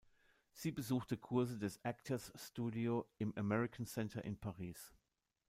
Sie besuchte Kurse des Actors Studio im American Center in Paris.